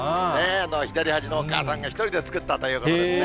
左端のお母さんが１人で作ったということですね。